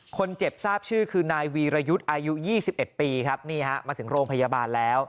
คนเจ็บทราบชื่อคือนายวีรยุทธ์อายุ๒๑ปีครับนี่ฮะมาถึงโรงพยาบาลแล้ว